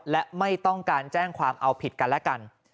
และไม่ต้องการแจ้งความเอาผิดกันและกัน